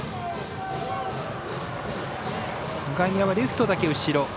外野はレフトだけ後ろ。